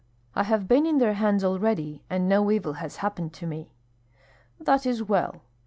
"I have been in their hands already, and no evil has happened to me." "That is well.